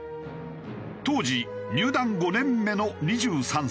当時入団５年目の２３歳。